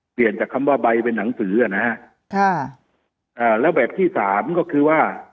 จากคำว่าใบเป็นหนังสืออ่ะนะฮะค่ะอ่าแล้วแบบที่สามก็คือว่า